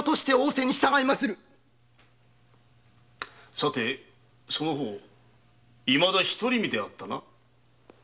さてその方いまだ独り身であったな。